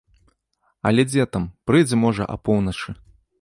Але дзе там, прыйдзе, можа, апоўначы.